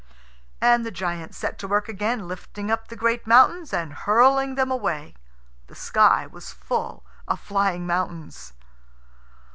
And the giant set to work again, lifting up the great mountains and hurling them away. The sky was full of flying mountains.